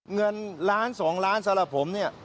เงินล้าน๒ล้านสำหรับผมเนี่ย